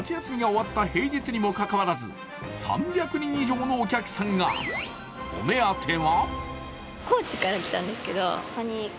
金曜夏休みが終わった平日にもかかわらず、３００人以上のお客さんがお目当ては？